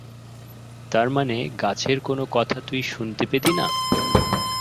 তার মানে, গাছের কোনো কথা তুই শুনতে পেতি না?